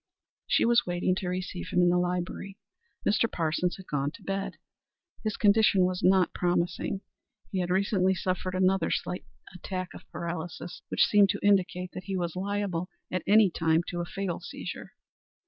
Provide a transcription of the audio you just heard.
She was waiting to receive him in the library. Mr. Parsons had gone to bed. His condition was not promising. He had recently suffered another slight attack of paralysis, which seemed to indicate that he was liable at any time to a fatal seizure.